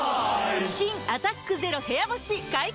新「アタックＺＥＲＯ部屋干し」解禁‼